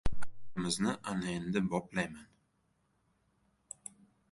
Ayolimizni ana endi boplayman!